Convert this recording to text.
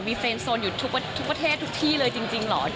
มีแฟนโซนอยู่ทุกประเทศทุกที่เลยจริงเหรอ